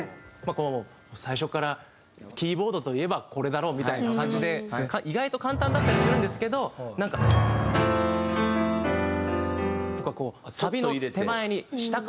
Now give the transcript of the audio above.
この最初からキーボードといえばこれだろみたいな感じで意外と簡単だったりするんですけどなんか。とかこうサビの手前に下からいくやつをいったりとか。